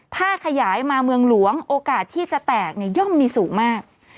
ถ้าขยายมาเมืองหลวงโอกาสที่จะแตกย่อมมีสูงมาก